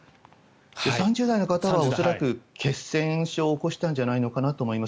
３０代の方は恐らく血栓症を起こしたんじゃないかなと思います。